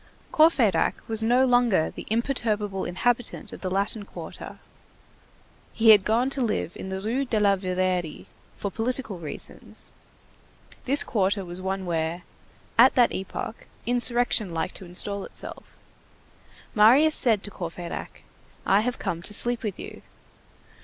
Courfeyrac was no longer the imperturbable inhabitant of the Latin Quarter, he had gone to live in the Rue de la Verrerie "for political reasons"; this quarter was one where, at that epoch, insurrection liked to install itself. Marius said to Courfeyrac: "I have come to sleep with you."